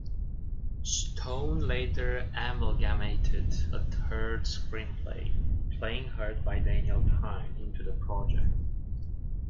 Stone later amalgamated a third screenplay, "Playing Hurt" by Daniel Pyne, into the project.